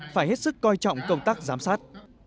phải hết sức coi trọng công tác giám sát